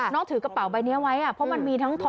เดี๋ยวไปนั่งรอดที่รถ